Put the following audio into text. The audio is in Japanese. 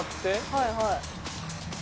はいはい。